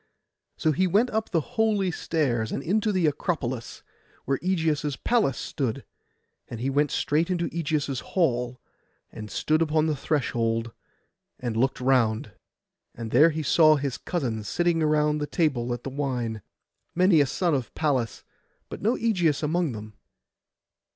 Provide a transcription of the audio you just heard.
So he went up the holy stairs, and into the Acropolis, where Ægeus' palace stood; and he went straight into Ægeus' hall, and stood upon the threshold, and looked round. And there he saw his cousins sitting about the table at the wine: many a son of Pallas, but no Ægeus among them.